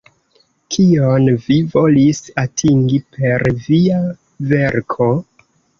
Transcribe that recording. Kion vi volis atingi per via verko?